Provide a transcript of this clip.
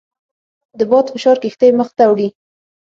د باد فشار کښتۍ مخ ته وړي.